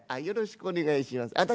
よろしくお願いします。